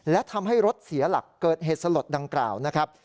และทำให้รถเสียหลักเกิดเหตุสลดดังกล่าวนะครับ